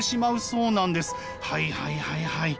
はいはいはいはい。